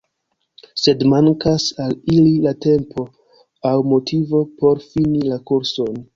Sed mankas al ili la tempo aŭ motivo por fini la kurson.